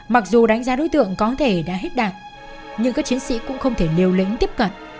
mặc dù đánh giá đối tượng có thể đã hết đạt nhưng các chiến sĩ cũng không thể liều lĩnh tiếp cận